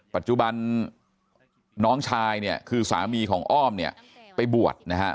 ปัจจุบันน้องชายเนี่ยคือสามีของอ้อมเนี่ยไปบวชนะฮะ